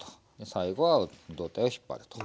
最後は胴体を引っ張ると。